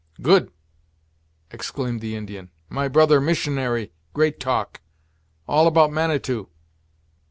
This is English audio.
"Good!" exclaimed the Indian; "my brother missionary great talk; all about Manitou."